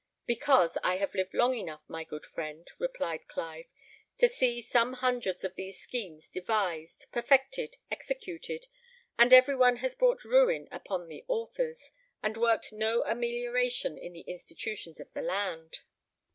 "Because I have lived long enough, my good friend," replied Clive, "to see some hundreds of these schemes devised, perfected, executed, and every one has brought ruin upon the authors, and worked no amelioration in the institutions of the land."